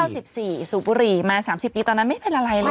อ๋อสิบสี่สูบบุหรี่มาสามสิบปีตอนนั้นไม่เป็นอะไรเลย